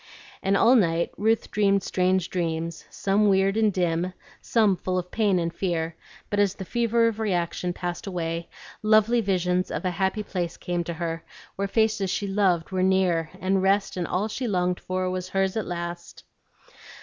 And all night Ruth dreamed strange dreams, some weird and dim, some full of pain and fear; but as the fever of reaction passed away, lovely visions of a happy place came to her, where faces she loved were near, and rest, and all she longed for was hers at last.